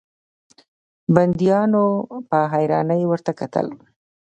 بنديانو په حيرانۍ ورته کتل.